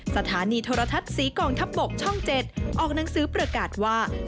สถานีโทรทัศน์ศรีกองทัพบกช่อง๗ออกหนังสือประกาศว่า